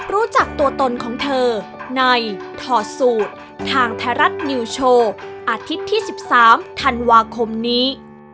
รู้จักตัวตนของเธอในถอดสูตรทางไทยรัฐนิวโชว์อาทิตย์ที่๑๓ธันวาคมนี้